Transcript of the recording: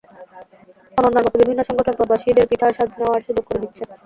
অনন্যার মতো বিভিন্ন সংগঠন প্রবাসীদের পিঠার স্বাদ নেওয়ার সুযোগ করে দিচ্ছে।